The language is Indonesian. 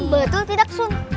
betul tidak sun